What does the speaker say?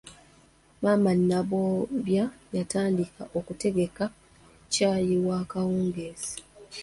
Maama Nambobya yatandika okutegeka caayi wa kawungeezi.